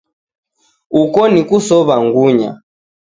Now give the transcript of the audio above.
Uko ni kusow'a ngunya.